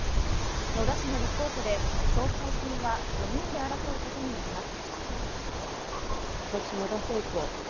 野田氏の立候補で総裁選は４人で争うことになります。